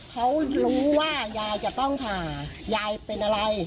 เขารู้ว่ายายจะต้องผ่ายายเป็นอะไร